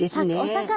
お魚。